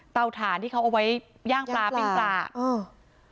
ฐานที่เขาเอาไว้ย่างปลาปิ้งปลาเออ